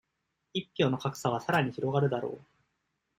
一票の格差は、さらに拡がるだろう。